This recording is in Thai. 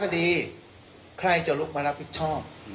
คดีใครจะลุกมารับผิดชอบ